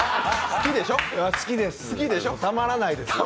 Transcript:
好きです、たまらないです。